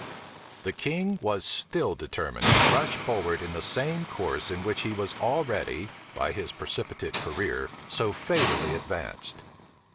The king was still determined to rush forward in the same course in which he was already, by his precipitate career, so fatally advanced.